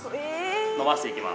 伸ばしていきます。